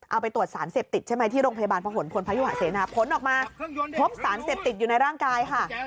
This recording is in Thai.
เอาไปตรวจสารเสพติดใช่ไหมที่โรงพยาบาลพระหลพลพยุหาเสนาผลออกมาพบสารเสพติดอยู่ในร่างกายค่ะ